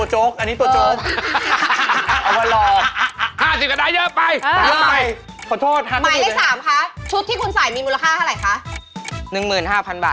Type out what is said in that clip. เฮ่ยคุณหน้าเงินเหมือนกันนะน่ะ